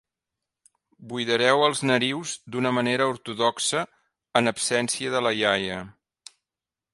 Buidareu els narius d'una manera ortodoxa en absència de la iaia.